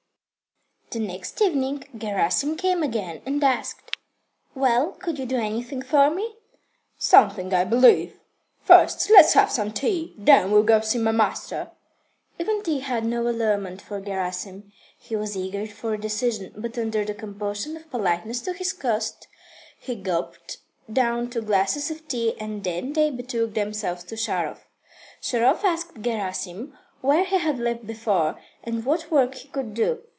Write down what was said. IV The next evening Gerasim came again and asked: "Well, could you do anything for me?" "Something, I believe. First let's have some tea. Then we'll go see my master." Even tea had no allurements for Gerasim. He was eager for a decision; but under the compulsion of politeness to his host, he gulped down two glasses of tea, and then they betook themselves to Sharov. Sharov asked Gerasim where he had lived before and what work he could do.